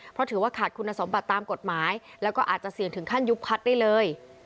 เพราะถือว่าขาดคุณสมบัติตามกฎหมายแล้วก็อาจจะเสี่ยงถึงขั้นยุบคัดได้เลย